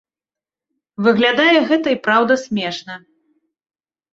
Выглядае гэта і праўда смешна.